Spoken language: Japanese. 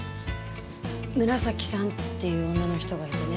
紫さんっていう女の人がいてね。